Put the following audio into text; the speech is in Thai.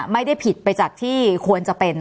ไม่ได้ผิดไปจากที่ควรจะเป็น